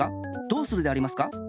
どうするでありますか？